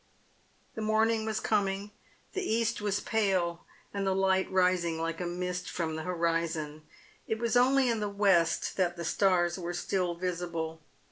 The morning was coming. The east was pale, and the light rising like a mist from the horizon. It was only in the west that the stars were still visible.